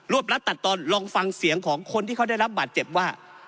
รัดตัดตอนลองฟังเสียงของคนที่เขาได้รับบาดเจ็บว่า